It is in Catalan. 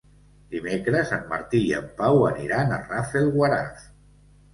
Dimecres en Martí i en Pau aniran a Rafelguaraf.